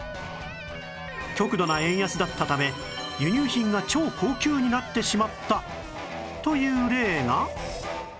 極度な円安だったため輸入品が超高級になってしまったという例が